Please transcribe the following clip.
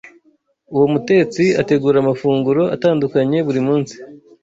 Uwo mutetsi ategura amafunguro atandukanye buri munsi.